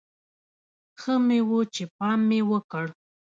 ښه مې و چې پام مې وکړ.